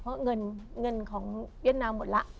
เพราะเงินของเวียดนามหมดแล้ว